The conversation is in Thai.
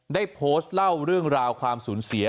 ได้โพสต์เล่าเรื่องราวความสูญเสีย